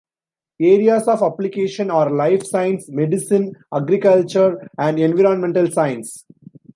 Areas of application are life science, medicine, agriculture, and environmental science.